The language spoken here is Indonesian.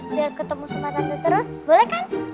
biar ketemu sama tante terus boleh kan